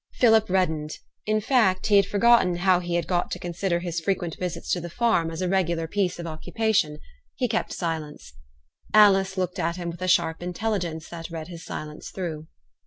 Philip reddened; in fact, he had forgotten how he had got to consider his frequent visits to the farm as a regular piece of occupation. He kept silence. Alice looked at him with a sharp intelligence that read his silence through.